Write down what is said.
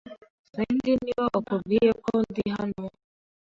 Sandy niwe wakubwiye ko ndi hano?